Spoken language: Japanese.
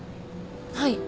はい。